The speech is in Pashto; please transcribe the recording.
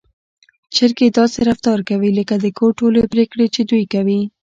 چرګې داسې رفتار کوي لکه د کور ټولې پرېکړې چې دوی کوي.